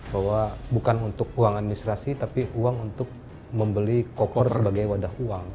bahwa bukan untuk uang administrasi tapi uang untuk membeli koper sebagai wadah uang